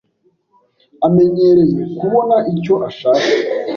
amenyereye kubona icyo ashaka.